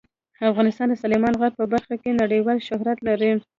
افغانستان د سلیمان غر په برخه کې نړیوال شهرت لري.